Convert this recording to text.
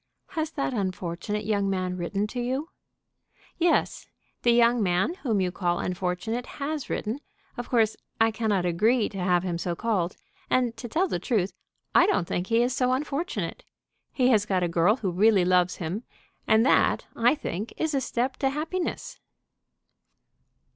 "Has that unfortunate young man written to you?" "Yes. The young man whom you call unfortunate has written. Of course I cannot agree to have him so called. And, to tell the truth, I don't think he is so very unfortunate. He has got a girl who really loves him, and that, I think, is a step to happiness."